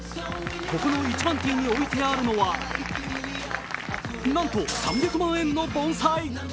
ここの１番ティーに置いてあるのはなんと３００万円の盆栽。